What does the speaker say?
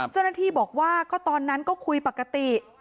เจ้าหน้าที่บอกว่าก็ตอนนั้นก็คุยปกติ